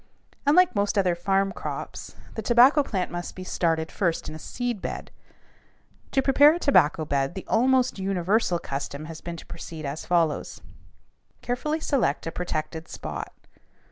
Unlike most other farm crops the tobacco plant must be started first in a seed bed. To prepare a tobacco bed the almost universal custom has been to proceed as follows. Carefully select a protected spot.